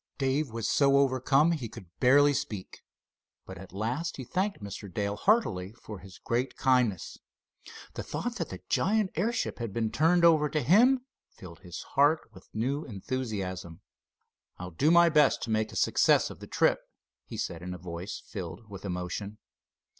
Dave was so overcome he could scarcely speak. But at last he thanked Mr. Dale heartily for his great kindness. The thought that the giant airship had been turned over to him filled his heart with new enthusiasm. "I'll do my best to make a success of the trip," he said, in a voice filled with emotion.